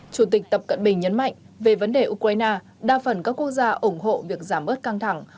chủ tịch tập cận bình nhấn mạnh về vấn đề ukraine đa phần các quốc gia ủng hộ việc giảm bớt căng thẳng